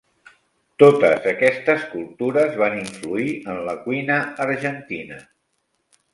Totes aquestes cultures van influir en la cuina argentina.